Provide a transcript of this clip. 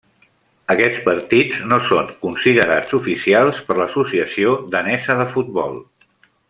Aquests partits no són considerats oficials per l'Associació Danesa de Futbol.